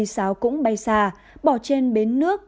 sáo cũng bay xa bỏ trên bến nước